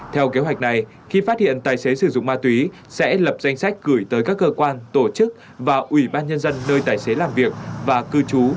theo kế hoạch này khi phát hiện tài xế sử dụng ma túy sẽ lập danh sách gửi tới các cơ quan tổ chức và ủy ban nhân dân nơi tài xế làm việc và cư trú